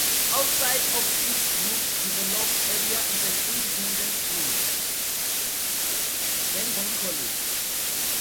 Outside of its grouped developed area is an independent school, Pangbourne College.